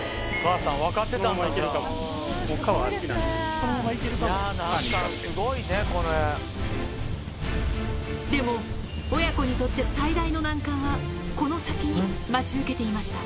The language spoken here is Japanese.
あっち川なでも、親子にとって最大の難関は、この先に待ち受けていました。